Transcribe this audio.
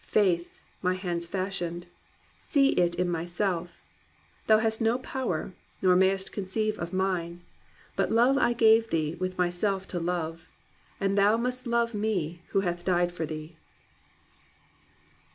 Face, my hands fashioned, see it in myself ! Thou hast no power, nor mayest conceive of mine. But love I gave thee, with myself to love, And thou must love me who have died for thee